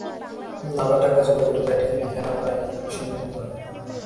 আবার টাকা জোগাড় করে ব্যাট কিনে খেলা প্রায়ই সম্ভব হতো না।